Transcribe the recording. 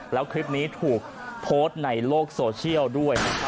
แล้วคลิปนี้ถูกโพสต์ในโลกโซเชียลด้วยนะครับ